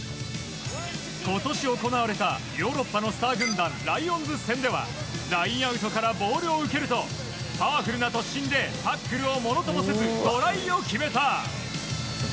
今年行われたヨーロッパのスター軍団ライオンズ戦ではラインアウトからボールを受けるとパワフルな突進でタックルをものともせずトライを決めた。